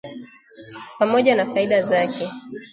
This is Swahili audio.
pamoja na faida zake